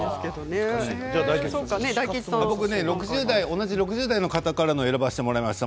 同じ６０代の方から選ばせていただきました。